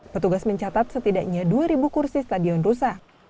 petugas mencatat setidaknya dua kursi stadion rusak